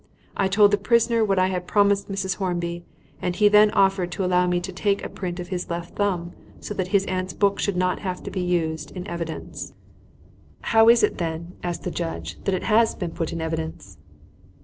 I told the prisoner what I had promised Mrs. Hornby, and he then offered to allow me to take a print of his left thumb so that his aunt's book should not have to be used in evidence." "How is it, then," asked the judge, "that it has been put in evidence?"